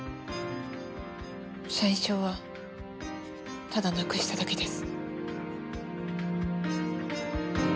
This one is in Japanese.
社員証はただなくしただけです。